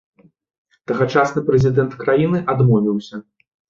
Тагачасны прэзідэнт краіны адмовіўся.